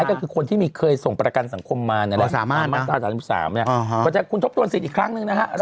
ก็คือคนที่มีเคยส่งประกันสังคมมาอาหารสามอาหารสามก็จะคุณทบตรวจสิทธิ์อีกครั้งหนึ่งนะครับ